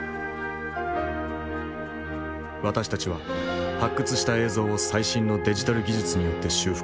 私たちは発掘した映像を最新のデジタル技術によって修復。